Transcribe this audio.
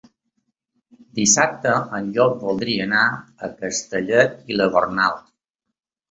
Dissabte en Llop voldria anar a Castellet i la Gornal.